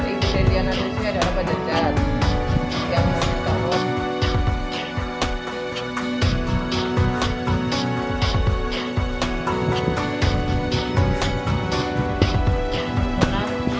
jangan kebanyakan jajan